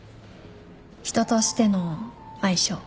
人としての相性。